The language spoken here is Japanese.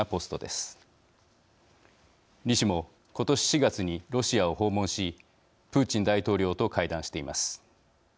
李氏も今年４月にロシアを訪問しプーチン大統領と会談しています。